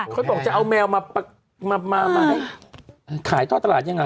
เขาบอกจะเอาแมวมาปรักมามามาให้ค่ะขายต้อตลาดยังอ่ะ